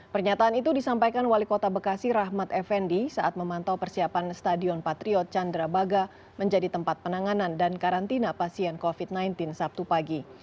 pernyataan itu disampaikan wali kota bekasi rahmat effendi saat memantau persiapan stadion patriot candrabaga menjadi tempat penanganan dan karantina pasien covid sembilan belas sabtu pagi